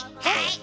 はい！